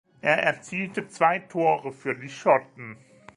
Er erzielte zwei Tore für die Schotten.